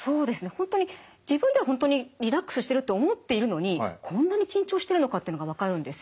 本当に自分では本当にリラックスしてると思っているのにこんなに緊張してるのかっていうのが分かるんですよね。